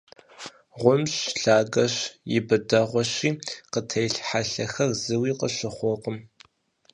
Гъумщ, лъагэщ, и быдэгъуэщи, къытелъ хьэлъэр зыуи къыщыхъуркъым.